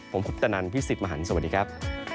ผมพุทธนันทร์พี่สิบหมาหันสวัสดีครับ